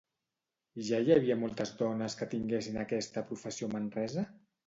Ja hi havia moltes dones que tinguessin aquesta professió a Manresa?